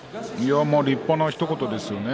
立派のひと言ですね。